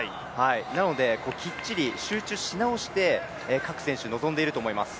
なのできっちり集中しなおして各選手臨んでいると思います。